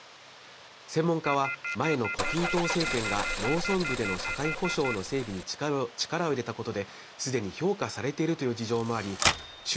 専門家は、前の胡錦濤政権が農村部での社会保障の整備に力を入れたことですでに評価されているという事情もあり習